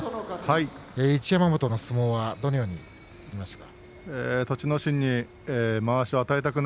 一山本の相撲はどのように映りましたか。